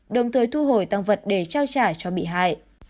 đồng thời thu hồi tăng vật để trao trả cho bị hại